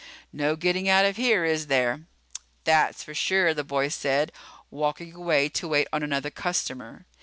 "No getting out of here, is there?" "That's for sure," the boy said, walking away to wait on another customer.